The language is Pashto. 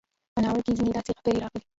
په ناول کې ځينې داسې خبرې راغلې